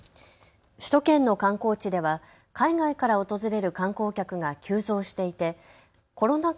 首都圏の観光地では海外から訪れる観光客が急増していてコロナ禍